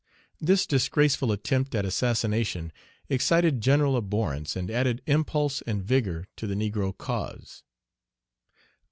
This disgraceful attempt at assassination excited general abhorrence, and added impulse and vigor to the negro cause.